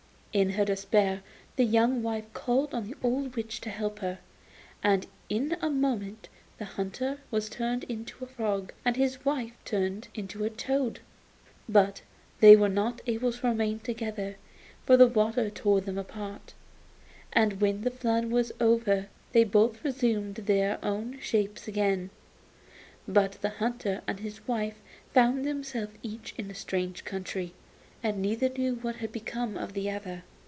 In her despair the young wife called on the old witch to help her, and in a moment the hunter was turned into a frog and his wife into a toad. But they were not able to remain together, for the water tore them apart, and when the flood was over they both resumed their own shapes again, but the hunter and the hunter's wife found themselves each in a strange country, and neither knew what had become of the other.